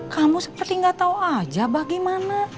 kamu seperti nggak tahu aja bagaimana